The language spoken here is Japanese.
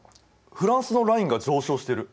フランスのラインが上昇してる。